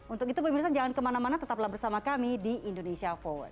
untuk itu pemirsa jangan kemana mana tetaplah bersama kami di indonesia forward